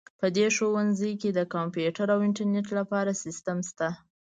په دې ښوونځي کې د کمپیوټر او انټرنیټ لپاره سیسټم شته